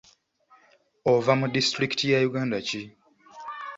Ova mu disitulikiti ya Uganda ki?